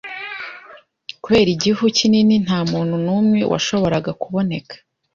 Kubera igihu kinini, ntamuntu numwe washoboraga kuboneka.